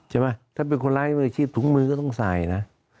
ใช่ไหมถ้าเป็นคนร้ายชีพถุงมือก็ต้องใส่นะ